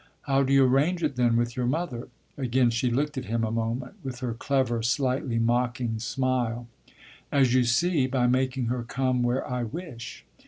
"How do you arrange it, then, with your mother?" Again she looked at him a moment, with her clever, slightly mocking smile. "As you see. By making her come where I wish."